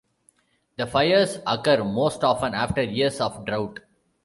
The fires occur most often after years of drought.